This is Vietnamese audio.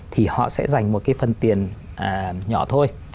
thì họ sẽ dành một cái phần tiền nhỏ thôi